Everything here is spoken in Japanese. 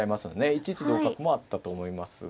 １一同角もあったと思いますが。